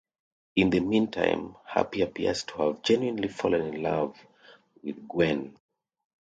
In the meantime, Happy appears to have genuinely fallen in love with Gwenn.